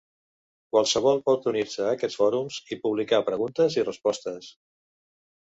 Qualsevol pot unir-se a aquests fòrums i publicar preguntes i respostes.